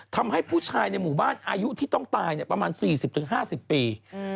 ทำให้ผู้ชายในหมู่บ้านอายุที่ต้องตายประมาณ๔๐๕๐ปี